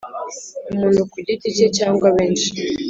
Umuntu ku giti cye cyangwa benshi